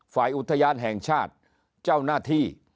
ฝ่ายอุทยานแห่งชาติเจ้าหน้าที่